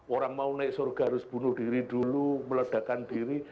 orang mau naik surga harus bunuh diri dulu meledakan diri